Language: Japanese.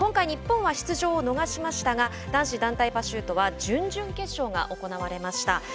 今回日本は出場を逃しましたが男子団体パシュートは準々決勝が行われました。